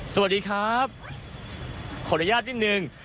สวัสดีครับขออนุญาตนิดนึง